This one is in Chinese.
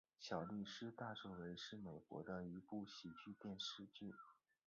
小律师大作为是美国的一部喜剧电视剧。